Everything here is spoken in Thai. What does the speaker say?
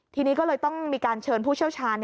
ทีนี้ก็เลยต้องมีการเชิญผู้เชี่ยวชาญ